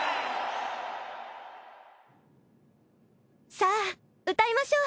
さあ歌いましょう！